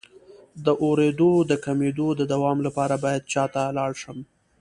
د اوریدو د کمیدو د دوام لپاره باید چا ته لاړ شم؟